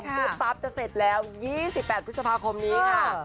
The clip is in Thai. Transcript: ปุ๊บปั๊บจะเสร็จแล้ว๒๘พฤษภาคมนี้ค่ะ